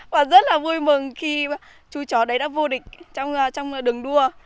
và rất là vui mừng khi chú chó đấy đã vô địch trong đường đua